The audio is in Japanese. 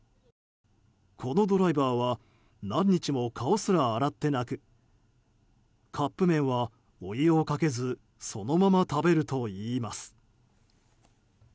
このドライバーは何日も顔すら洗ってなくカップ麺はお湯をかけずそのまま食べるといいます。